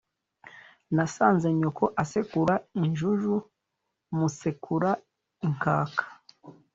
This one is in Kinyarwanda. nasanze nyoko asekura injuju musekura in kaka